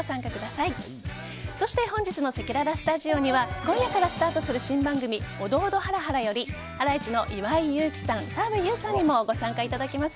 そして本日のせきららスタジオには今夜からスタートする新番組「オドオド×ハラハラ」よりハライチの岩井勇気さん、澤部佑さんにも参加していただきます。